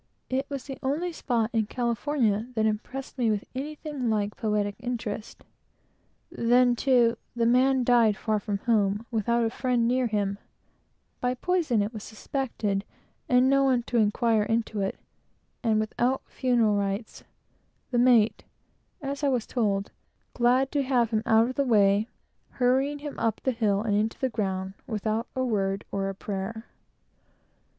It was the only thing in California from which I could ever extract anything like poetry. Then, too, the man died far from home; without a friend near him; by poison, it was suspected, and no one to inquire into it; and without proper funeral rites; the mate, (as I was told,) glad to have him out of the way, hurrying him up the hill and into the ground, without a word or a prayer.